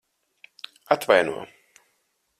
Atvaino.